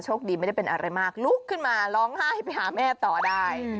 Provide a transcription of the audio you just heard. ไม่ได้เป็นอะไรมากลุกขึ้นมาร้องไห้ไปหาแม่ต่อได้